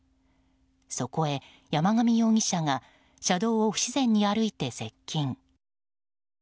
そこへ山上容疑者が車道を不自然に歩いて接近。